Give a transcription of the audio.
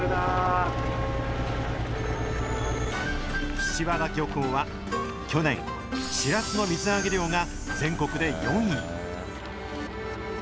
岸和田漁港は去年、シラスの水揚げ量が全国で４位。